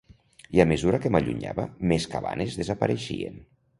I a mesura que m’allunyava, més cabanes apareixien.